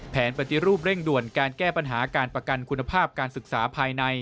แผนปฏิรูปเร่งด่วนการแก้ปัญหาการประกันคุณภาพการศึกษาภายใน